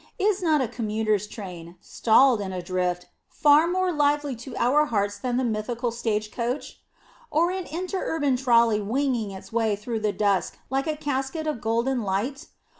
Is not a commuter's train, stalled in a drift, far more lively to our hearts than the mythical stage coach? Or an inter urban trolley winging its way through the dusk like a casket of golden light?